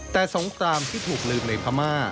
แต่สงครามที่ถูกลืมในพม่า